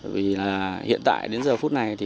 vì hiện tại đến giờ phút này